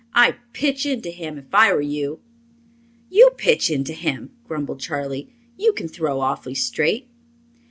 "I'd pitch into him if I were you." "You pitch into him," grumbled Charley. "You can throw awfully straight."